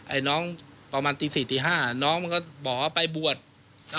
ไอ้น้องประมาณตีสี่ตีห้าน้องมันก็บอกว่าไปบวช